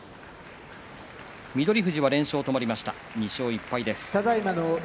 翠富士は連勝が止まりました２勝１敗です。